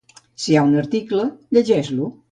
Si hi ha un article, llegeix-lo.